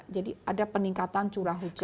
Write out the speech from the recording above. jadi ada peningkatan curah hujan